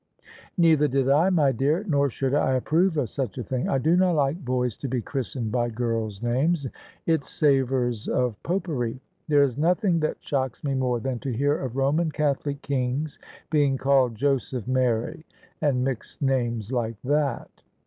" Neither did I, my dear: nor should I approve of such a thing. I do not like boys to be christened by girls' names; ■ THE SUBJECTION It savours of Popery. There is nothing that shocks me more than to hear of Roman Catholic kings being called * Joseph Mary,' and mixed names like that."